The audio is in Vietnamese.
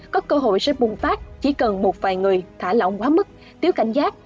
có cơ hội sẽ bùng phát chỉ cần một vài người thả lỏng quá mức thiếu cảnh giác